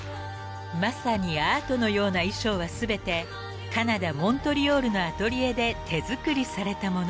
［まさにアートのような衣装は全てカナダモントリオールのアトリエで手作りされたもの］